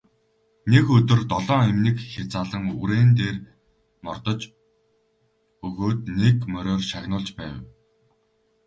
Нэг өдөр долоон эмнэг хязаалан үрээн дээр мордож өгөөд нэг мориор шагнуулж байв.